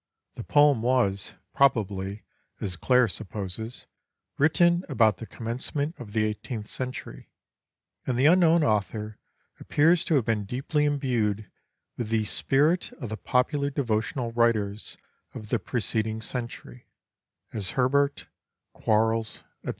The poem was, probably, as Clare supposes, written about the commencement of the 18th century; and the unknown author appears to have been deeply imbued with the spirit of the popular devotional writers of the preceding century, as Herbert, Quarles, &c.